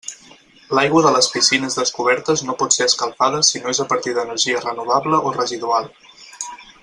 L'aigua de les piscines descobertes no pot ser escalfada si no és a partir d'energia renovable o residual.